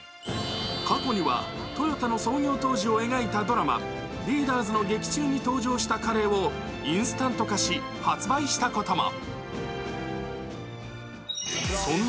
過去にはトヨタの創業当時を描いたドラマ、「ＬＥＡＤＥＲＳ」の劇中に登場したカレーをインスタント化し、発売したことも。